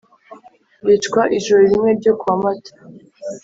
bicwa ijoro rimwe ryo ku wa mata